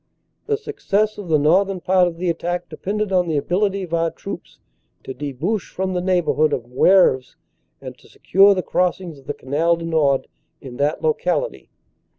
The success of the northern part of the attack depended upon the ability of our troops to debouch from the neighborhood of Moeuvres, and to secure the crossings of the Canal du Nord in that locality.